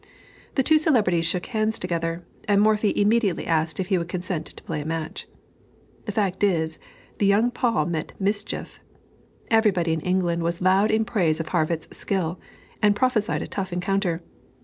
The two celebrities shook hands together, and Morphy immediately asked if he would consent to play a match. The fact is, the young Paul meant mischief. Everybody in England was loud in praise of Harrwitz's skill, and prophesied a tough encounter.